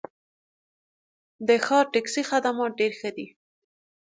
د ښار ټکسي خدمات ډېر ښه دي.